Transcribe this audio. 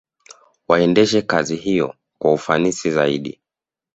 Waendeshe kazi hiyo kwa ufanisi zaidi